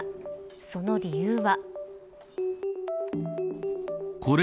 その理由は。